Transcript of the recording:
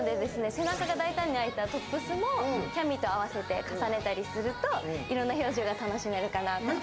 背中が大胆に空いたトップスもキャミと合わせて重ねたりするといろんな表情が楽しめたりするかなと思います。